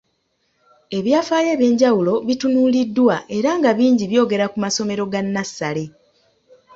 Ebyafaayo eby’enjawulo bitunuuliddwa era nga bingi byogera ku masomero ga nnassale.